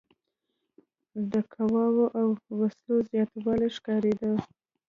د قواوو او وسلو زیاتوالی ښکارېده.